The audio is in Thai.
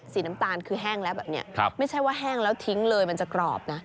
น้ำตาลคือแห้งแล้วแบบนี้ไม่ใช่ว่าแห้งแล้วทิ้งเลยมันจะกรอบนะ